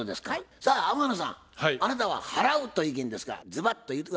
さあ天野さんあなたは払うという意見ですがずばっと言うて下さい。